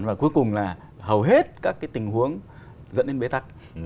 và cuối cùng là hầu hết các cái tình huống dẫn đến bế tắc